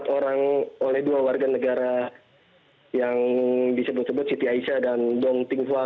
empat orang oleh dua warga negara yang disebut sebut siti aisyah dan dong tingfua